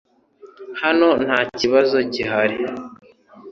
Hano nta kibazo gihari .